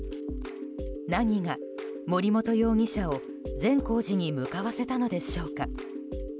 何が、森本容疑者を善光寺に向かわせたのでしょうか。